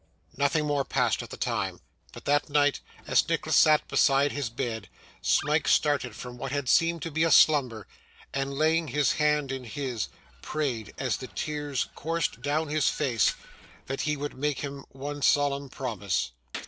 Nothing more passed at the time, but that night, as Nicholas sat beside his bed, Smike started from what had seemed to be a slumber, and laying his hand in his, prayed, as the tears coursed down his face, that he would make him one solemn promise.